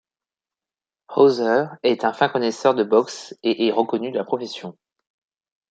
Hauser est un fin connaisseur de boxe et est reconnu de la profession.